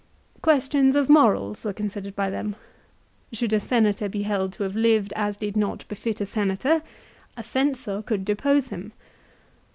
Questions of morals were considered by them. Should a Senator be held to have lived as did not befit a Senator, a Censor could depose him.